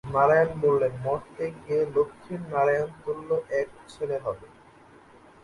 নারায়ণ বললেন, মর্ত্যে গিয়ে লক্ষ্মীর নারায়ণ-তুল্য এক ছেলে হবে।